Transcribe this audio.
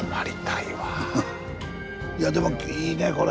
いやでもいいねこれ。